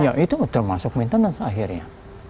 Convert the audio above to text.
ya itu termasuk maintenance akhirnya